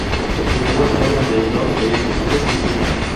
El agua cae alrededor de estas tres piscinas.